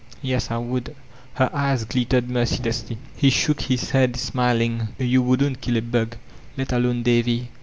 Yes, I would." Her eyes guttered mercilessly* He shook his head smiling: "You wouldn't kill a bug, let alone Davy."